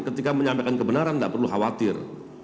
ketika menyampaikan kebenaran tidak perlu khawatir